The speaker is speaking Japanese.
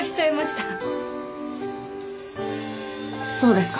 そうですか。